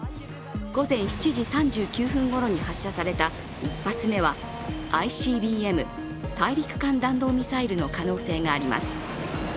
午前７時３９分ごろに発射された１発目はＩＣＢＭ＝大陸間弾道ミサイルの可能性があります。